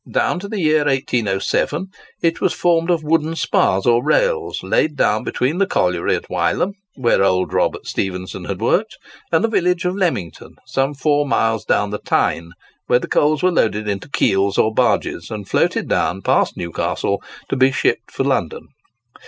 Down to the year 1807 it was formed of wooden spars or rails, laid down between the colliery at Wylam—where old Robert Stephenson had worked—and the village of Lemington, some four miles down the Tyne, where the coals were loaded into keels or barges, and floated down past Newcastle, to be shipped for London.